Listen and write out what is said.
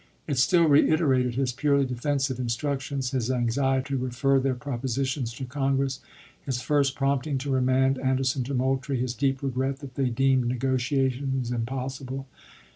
It still reiterated his purely defensive in chap. vi. structions, his anxiety to refer their propositions to Congress, his first prompting to remand Ander son to Moultrie, his deep regret that they deemed negotiations impossible.